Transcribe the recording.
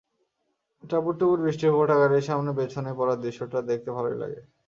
টাপুরটুপুর বৃষ্টির ফোঁটা গাড়ির সামনে পেছনে পড়ার দৃশ্যটা দেখতে ভালোই লাগে।